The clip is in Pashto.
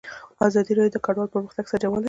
ازادي راډیو د کډوال پرمختګ سنجولی.